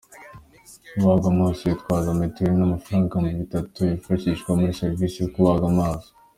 Ubagwa amaso yitwaza mituweri n’amafaranga ibihumbi bitatu byifashishwa muri serivise yo kubaga amaso.